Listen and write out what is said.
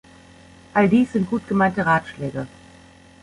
All dies sind gutgemeinte Ratschläge.